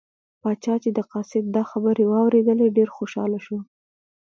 پاچا چې د قاصد دا خبرې واوریدلې ډېر خوشحاله شو.